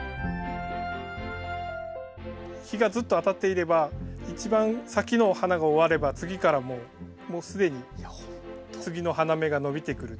日がずっと当たっていれば一番先の花が終われば次からもう既に次の花芽が伸びてくる。